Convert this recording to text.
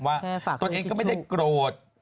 ว่าตัวเองก็ไม่ได้โกรธ